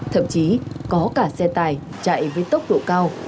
thậm chí có cả xe tài chạy với tốc độ cao